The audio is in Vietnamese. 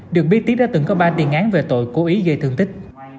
được biết tiếp đã từng có ba tiền án về tội cố ý gây thương tích